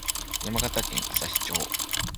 山形県朝日町